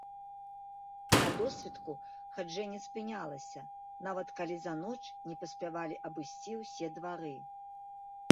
На досвітку хаджэнне спынялася, нават калі за ноч не паспявалі абысці ўсе двары.